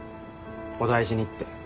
お大事にって。